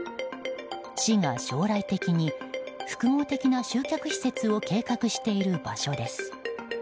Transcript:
市が将来的に複合的な集客施設を計画している場所です。